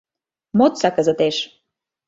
Модса кызытеш.